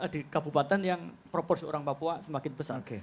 di kabupaten yang proporsi orang papua semakin besar